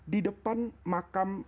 di depan makam